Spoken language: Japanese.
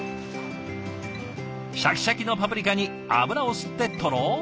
シャキシャキのパプリカに油を吸ってとろりとしたなす。